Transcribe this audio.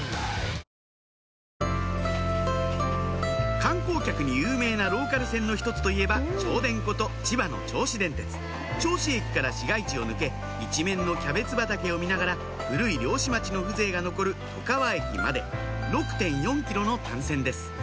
観光客に有名なローカル線の一つといえば銚電こと千葉の銚子電鉄銚子駅から市街地を抜け一面のキャベツ畑を見ながら古い漁師町の風情が残る外川駅まで６．４ｋｍの単線です